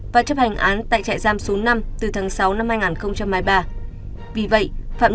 vì vậy phạm nhân đệ bỏ trốn khiến dư luận hoài nghi về động cơ thực hiện hành vi điều lĩnh này